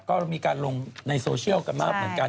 ก็มีการลงในโซเชียลกันมากเหมือนกัน